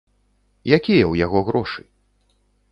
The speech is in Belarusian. Якія ў яго грошы?